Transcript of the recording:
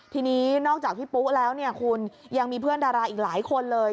ทีนี้นอกจากพี่ปุ๊แล้วเนี่ยคุณยังมีเพื่อนดาราอีกหลายคนเลย